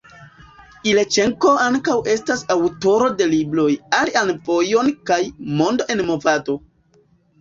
Ilĉenko ankaŭ estas aŭtoro de libroj «Alian vojon» kaj «Mondo en movado».